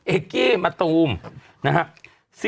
เอ๊กกี้มัตตุอวุ่มนะครับ